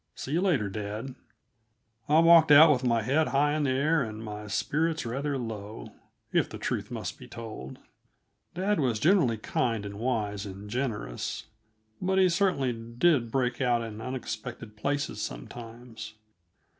See you later, dad." I walked out with my head high in the air and my spirits rather low, if the truth must be told. Dad was generally kind and wise and generous, but he certainly did break out in unexpected places sometimes.